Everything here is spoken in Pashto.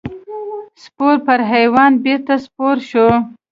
سپور پر حیوان بېرته سپور شو.